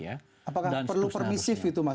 apakah perlu permisif gitu mas